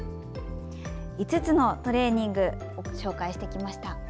５つのトレーニングを紹介してきました。